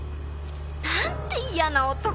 なんて嫌な男！